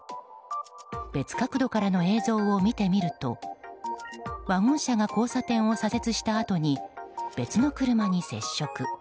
別角度からの映像を見てみるとワゴン車が交差点を左折したあとに別の車に接触。